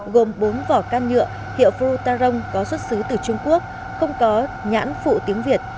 gồm bốn vỏ can nhựa hiệu frotarong có xuất xứ từ trung quốc không có nhãn phụ tiếng việt